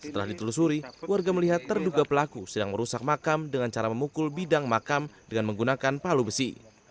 setelah ditelusuri warga melihat terduga pelaku sedang merusak makam dengan cara memukul bidang makam dengan menggunakan palu besi